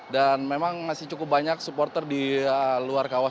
dan memang masih cukup banyak supporter di luar kawasan